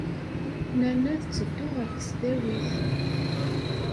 Nanna tetteddu ɣer tesdawit.